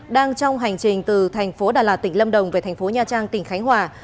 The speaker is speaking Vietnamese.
đang trong hành trình từ thành phố đà lạt tỉnh lâm đồng về thành phố nha trang tỉnh khánh hòa